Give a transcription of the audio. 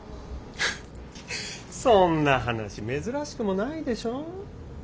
フッそんな話珍しくもないでしょう。